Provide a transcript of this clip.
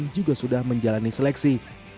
juga sudah menjalani seleksi